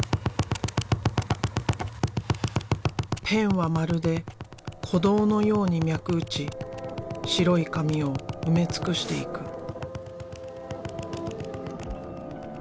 ペンはまるで鼓動のように脈打ち白い紙を埋め尽くしていく。